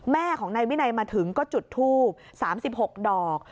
แม่ของนายวินัยมาถึงก็จุดทูบ๓๖ดอก